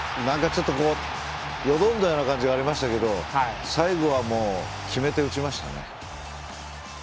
よどんだような感じがありましたけど最後は決めて、打ちましたね。